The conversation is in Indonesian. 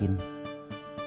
makanya dikasih nama prihatin